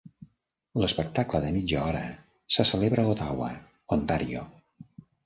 L'espectacle de mitja hora se celebra a Ottawa, Ontario.